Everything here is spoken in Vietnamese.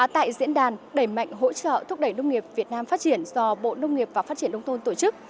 tại diễn đàn đẩy mạnh hỗ trợ thúc đẩy nông nghiệp việt nam phát triển do bộ nông nghiệp và phát triển đông thôn tổ chức